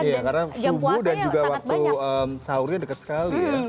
iya karena subuh dan juga waktu sahurnya dekat sekali ya